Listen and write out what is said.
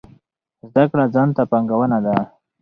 زده کړه ځان ته پانګونه ده